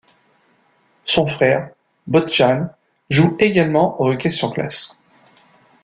Son frère Boštjan joue également au hockey sur glace.